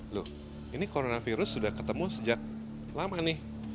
loh ini coronavirus sudah ketemu sejak lama nih